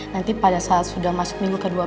nanti pada saat sudah masuk minggu ke dua belas